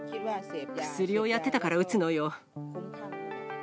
薬をやってたから撃つのよ。